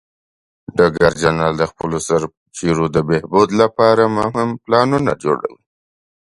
ډګر جنرال د خپلو سرتیرو د بهبود لپاره مهم پلانونه جوړوي.